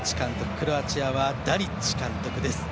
クロアチアはダリッチ監督です。